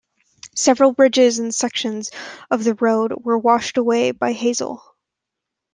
Several bridges and sections of road were washed away by Hazel.